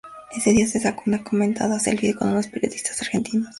Ese día se sacó una comentada selfie con unos periodistas argentinos.